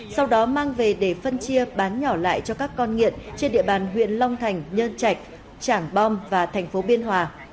sau đó mang về để phân chia bán nhỏ lại cho các con nghiện trên địa bàn huyện long thành nhân trạch trảng bom và thành phố biên hòa